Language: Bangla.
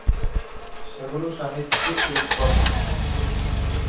সেগুলো সাহিত্যিক রূপকথা।